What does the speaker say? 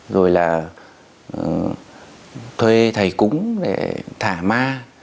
rồi là thuê thầy cúng để thả ma